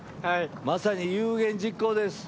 まさに有言実行です。